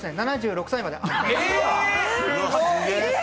７６歳まで安泰。